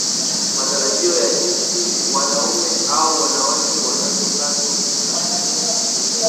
Matarajio ya jinsi wanaume au wanawake wanavyopaswa kukaa